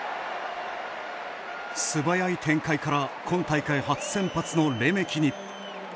素早い展開から今大会初先発のレメキに。